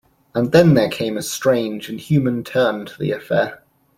And then there came a strange and human turn to the affair.